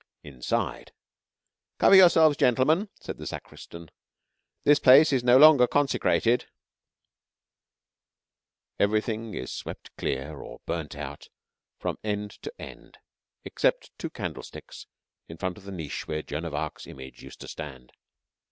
Inside ("Cover yourselves, gentlemen," said the sacristan, "this place is no longer consecrated") everything is swept clear or burned out from end to end, except two candlesticks in front of the niche where Joan of Arc's image used to stand.